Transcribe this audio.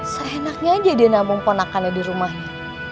seenaknya aja dia nabung ponakannya di rumahnya